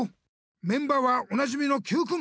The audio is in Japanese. メンバーはおなじみのＱくん。